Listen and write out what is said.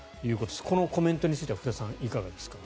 このコメントについては福田さん、いかがですか。